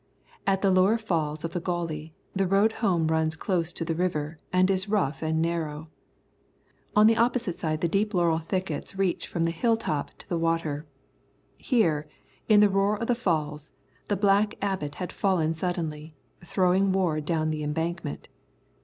At the lower falls of the Gauley, the road home runs close to the river and is rough and narrow. On the opposite side the deep laurel thickets reach from the hill top to the water. Here, in the roar of the falls, the Black Abbot had fallen suddenly, throwing Ward down the embankment.